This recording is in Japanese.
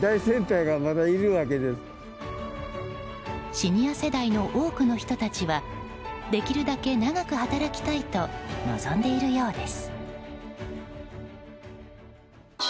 シニア世代の多くの人たちはできるだけ長く働きたいと望んでいるようです。